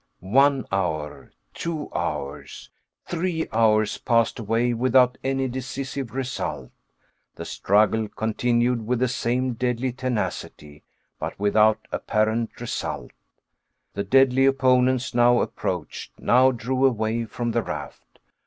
One hour, two hours, three hours passed away, without any decisive result. The struggle continued with the same deadly tenacity, but without apparent result. The deadly opponents now approached, now drew away from the raft.